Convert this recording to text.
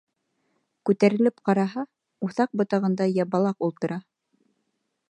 Күтәрелеп ҡараһа, уҫаҡ ботағында Ябалаҡ ултыра.